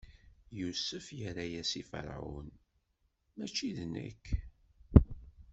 Yusef irra-yas i Ferɛun: Mačči d nekk!